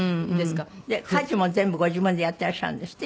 家事も全部ご自分でやってらっしゃるんですって？